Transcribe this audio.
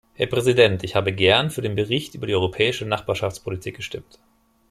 Herr Präsident! Ich habe gern für den Bericht über die Europäische Nachbarschaftspolitik gestimmt.